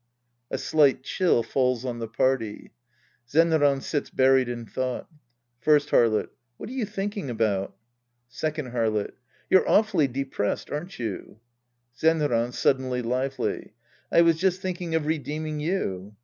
{A slight chill falls on the party. Zenran sits buried in thought^ First Harlot. What are you thinking about ? Second Harlot. You're awfully depressed, aren't you? Zenran {suddenly lively'). I was just thinking of redeeming you.